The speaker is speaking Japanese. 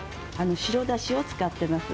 白だしを使っています。